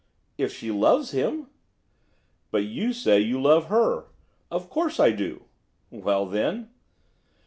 'If she loves him.' 'But you say you love her.' 'Of course I do.' 'Well then?